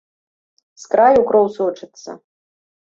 З краю кроў сочыцца.